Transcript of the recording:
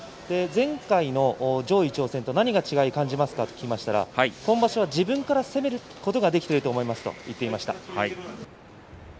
前回の上位挑戦と何が違うかと聞きましたら今場所は自分から攻めることができていると思いますと言っていました。